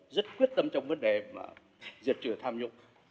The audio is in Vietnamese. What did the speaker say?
rất quyết tâm trong vấn đề mà diệt trừ tham nhũng